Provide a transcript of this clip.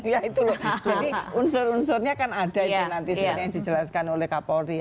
jadi unsur unsurnya kan ada nanti yang dijelaskan oleh kapolri